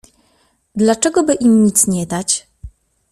— Dlaczego by im nic nie dać?